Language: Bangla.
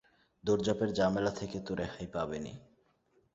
দৌড়ঝাঁপের ঝামেলা থেকে তো রেহাই পাবেনই।